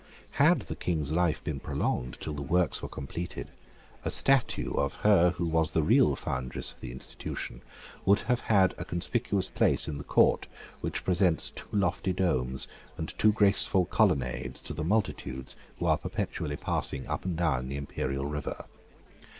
Had the King's life been prolonged till the works were completed, a statue of her who was the real foundress of the institution would have had a conspicuous place in that court which presents two lofty domes and two graceful colonnades to the multitudes who are perpetually passing up and down the imperial river.